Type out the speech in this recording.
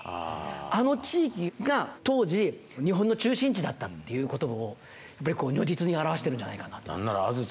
あの地域が当時日本の中心地だったということをやっぱりこう如実に表してるんじゃないかなと。